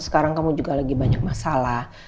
sekarang kamu juga lagi banyak masalah